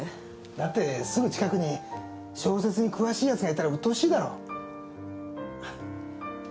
だってすぐ近くに小説に詳しいヤツがいたらうっとうしいだろ。